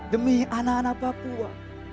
demi anak anak papua